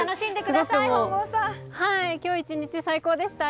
今日一日最高でした。